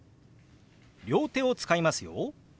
両手を使いますよ。